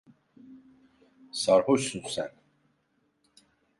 Sarhoşsun sen.